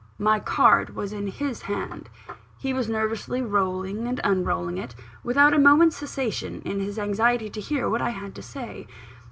My card was in his hand: he was nervously rolling and unrolling it, without a moment's cessation, in his anxiety to hear what I had to say.